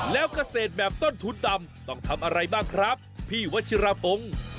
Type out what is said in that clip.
แล้วเกษตรแบบต้นทุนต่ำต้องทำอะไรบ้างครับพี่วัชิรพงศ์